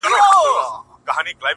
وسلوال غله خو د زړه رانه وړلای نه سي,